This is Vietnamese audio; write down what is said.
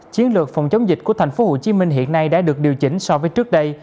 chiến lược phòng chống dịch của tp hcm hiện nay đã được điều chỉnh so với trước đây